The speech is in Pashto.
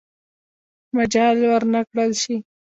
مجال ورنه کړل شي.